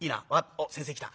あっ先生来た。